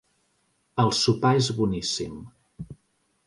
El sopar és boníssim.